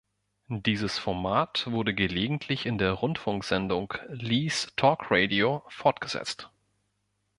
Dieses Format wurde gelegentlich in der Rundfunksendung "Lee's Talkradio" fortgesetzt.